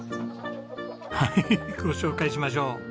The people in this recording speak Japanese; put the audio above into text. はいご紹介しましょう。